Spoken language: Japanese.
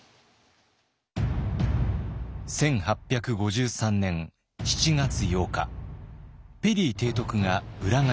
１８５３年７月８日ペリー提督が浦賀に来航。